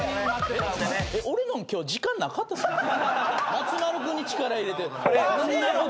松丸君に力入れて。